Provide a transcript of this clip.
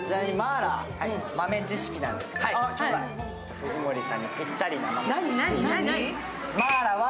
藤森さんにぴったりな豆知識を。